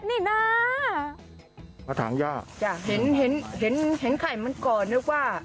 มันไม่ใช่เห็ดนี่น่า